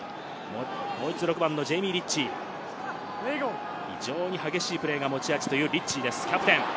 もう一度、６番のジェイミー・リッチー。非常に激しいプレーが持ち味というリッチーです、キャプテン。